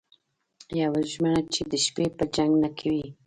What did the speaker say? او یوه ژمنه چې د شپې به جنګ نه کوئ